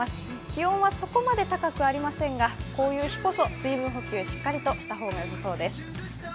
気温はそこまで高くありませんがこういう日こそ水分補給をしっかりとした方がよさそうです。